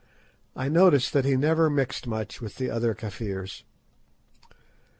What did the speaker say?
I noticed that he never mixed much with the other Kafirs.